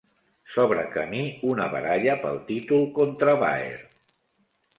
S'obre camí una baralla pel títol contra Baer.